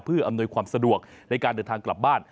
เพื่ออำนวยความสะดวกในการเดินทางกลับบ้าน